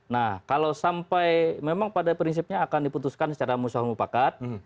nah kalau sampai memang pada prinsipnya akan diputuskan secara musuh musuh pakat